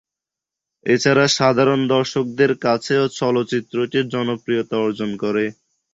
এছাড়া সাধারণ দর্শকদের কাছেও চলচ্চিত্র টি জনপ্রিয়তা অর্জন করে।